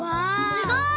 すごい！